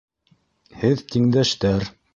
Һеҙ тиңдәштәр.